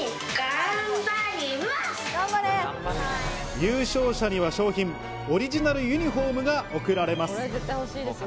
優勝者には賞品オリジナルユニフォームが贈られます。